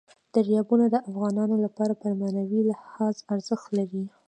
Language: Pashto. دریابونه د افغانانو لپاره په معنوي لحاظ ارزښت لري.